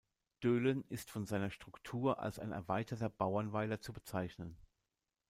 Döhlen ist von seiner Struktur als ein erweiterter Bauernweiler zu bezeichnen.